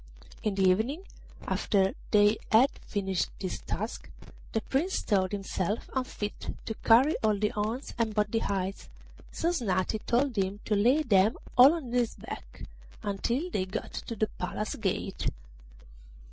In the evening, after they had finished this task, the Prince thought himself unfit to carry all the horns and both the hides, so Snati told him to lay them all on his back until they got to the Palace gate.